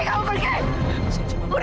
lepas itu kamu pergi